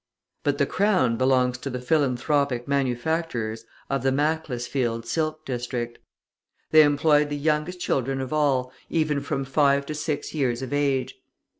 But the crown belongs to the philanthropic manufacturers of the Macclesfield silk district. They employed the youngest children of all, even from five to six years of age.